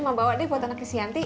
mak bawa deh buat anaknya si anti